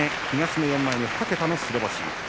東の４枚目、２桁の白星。